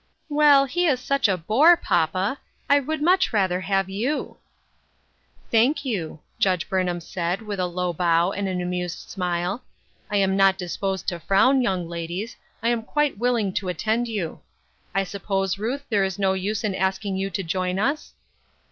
" Well, he is such a bore, papa. I would much rather have you." "Thank you, " Judge Burnham said, with a low bow, and an amused smile. "I am not disposed to frown, young ladies ; I am quite willing to attend you. I suppose, Ruth, there is no use in asking you to join us